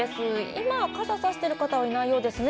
今は傘さしている人はいないようですね。